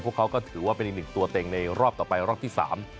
พวกเขาก็ถือว่าเป็นอีกหนึ่งตัวเต็งในรอบต่อไปรอบที่สาม